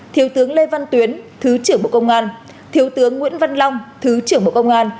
thiếu tướng lê văn tuyến thứ trưởng bộ công an thiếu tướng nguyễn văn long thứ trưởng bộ công an